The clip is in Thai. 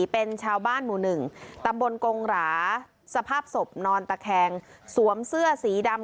เป็นชาวบ้านหมู่๑ตำบลกงหราสภาพศพนอนตะแคงสวมเสื้อสีดำ